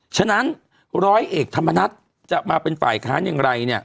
ฉะนั้นร้อยเอกธรรมนัฐจะมาเป็นฝ่ายค้านอย่างไรเนี่ย